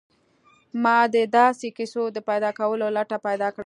ما د داسې کیسو د پیدا کولو لټه پیل کړه